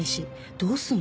どうするの？